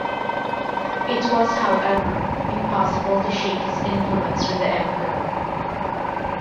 It was, however, impossible to shake his influence with the emperor.